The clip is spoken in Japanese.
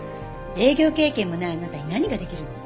営業経験もないあなたに何ができるの？